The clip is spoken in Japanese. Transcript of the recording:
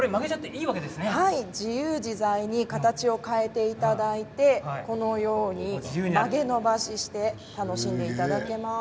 自由自在に形を変えていただいてこのように曲げ伸ばして楽しんでいただけます。